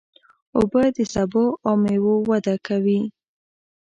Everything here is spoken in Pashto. اوبه د سبو او مېوو وده کوي.